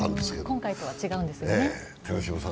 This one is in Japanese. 今回とは違うんですよね。